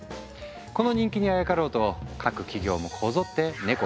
この人気にあやかろうと各企業もこぞってネコ